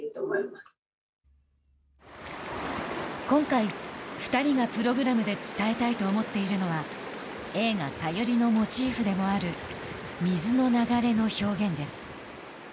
今回、２人がプログラムで伝えたいと思っているのは映画「ＳＡＹＵＲＩ」のモチーフでもある水の流れの表現です。